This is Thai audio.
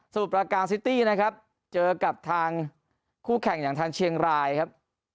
ประการซิตี้นะครับเจอกับทางคู่แข่งอย่างทางเชียงรายครับ